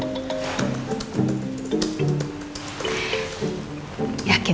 yakin gak mau ikut